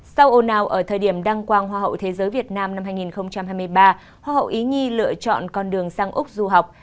sau ồn ào ở thời điểm đăng quang hoa hậu thế giới việt nam năm hai nghìn hai mươi ba hoa hậu ý nhi lựa chọn con đường sang úc du học